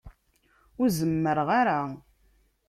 Ur zemmreɣ ara.